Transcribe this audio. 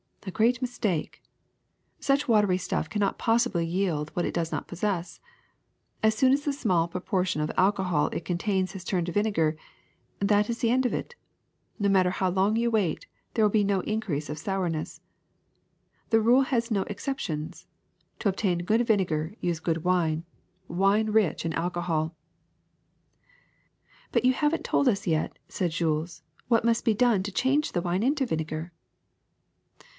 A great mistake. Such watery stuff cannot possibly yield what it does not possess. As soon as the small proportion of al cohol it contains has turned to vinegar, that is the end of it; no matter how long you wait, there will be no increase of sourness. The rule has no excep tions: to obtain good vinegar use good wine, wine rich in alcohol.'' ^'But you have n't told us yet," said Jules, ^'what must be done to change the wine into vinegar."